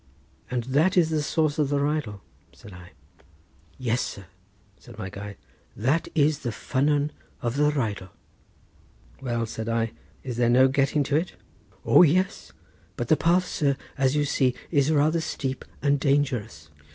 "And that is the source of the Rheidol?" said I. "Yes, sir," said my guide; "that is the ffynnon of the Rheidol." "Well," said I, "is there no getting to it?" "O yes! but the path, sir, as you see, is rather steep and dangerous."